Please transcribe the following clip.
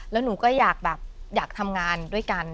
แล้วหนูก็อยากแบบอยากทำงานด้วยกัน